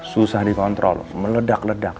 susah dikontrol meledak ledak